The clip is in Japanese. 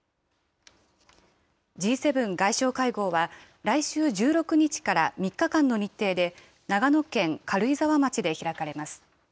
Ｇ７外相会合は、来週１６日から３日間の日程で、長野県軽井沢町で開かれます。